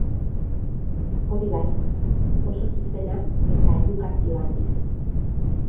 Hori bai, oso zuzena eta edukazio handiz.